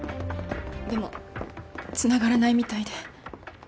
でもつながらないみたいで。